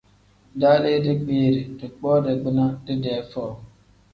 Daalii dikpiiri, dikpoo dagbina didee foo.